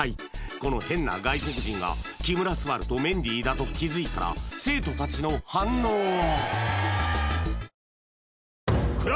この変な外国人が木村昴とメンディーだと気づいたら生徒たちの反応は？